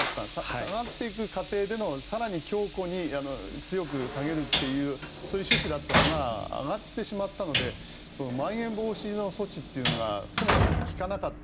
下がっていく過程での更に強固に強く下げるというそういう趣旨だったのが上がってしまったのでまん延防止の措置というのがそもそも効かなかった。